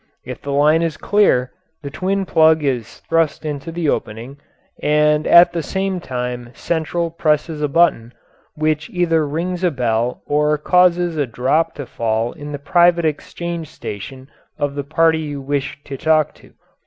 If the line is clear the twin plug is thrust into the opening, and at the same time "central" presses a button, which either rings a bell or causes a drop to fall in the private exchange station of the party you wish to talk to.